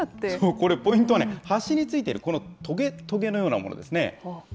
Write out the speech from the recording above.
これ、ポイントはね、端についているとげとげのようなものですね。